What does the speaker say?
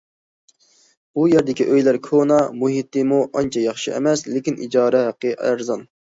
بۇ يەردىكى ئۆيلەر كونا، مۇھىتىمۇ ئانچە ياخشى ئەمەس، لېكىن ئىجارە ھەققى ئەرزان.